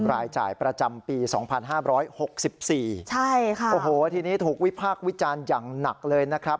รายจ่ายประจำปีสองพันห้าร้อยหกสิบสี่ใช่ค่ะโอ้โหทีนี้ถูกวิพากษ์วิจารณ์อย่างหนักเลยนะครับ